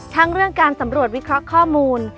ทั้งเรื่องการสำรวจวิเคราะห์ข้อมูล